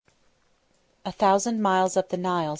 A Thousand Miles Up The Nile.